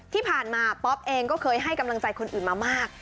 ที่ผ่านมาป๊อปเองก็เคยให้กำลังใจคนอื่นมามาก